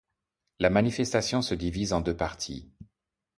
La manifestation se divise en deux parties.